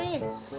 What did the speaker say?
ya udah aku kesini